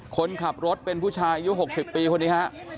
คนขับรถเป็นผู้ชายยู้๖๐ปีวันนี้